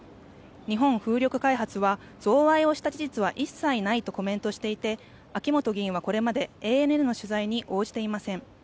日本風力開発は贈賄をした事実は一切ないとコメントしていて秋本議員はこれまでＡＮＮの取材に応じていません。